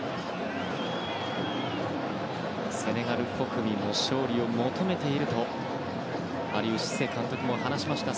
セネガル国民も勝利を求めているとアリウ・シセ監督も話しました。